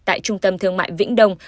tại trung tâm thương mại vĩnh đông